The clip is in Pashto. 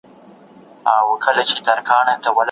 لیونتوب تر هوښیارۍ بد دی.